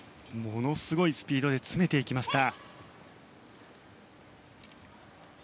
ものすごいスピードで詰めていきました。